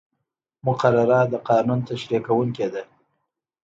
مقرره د قانون تشریح کوونکې ده.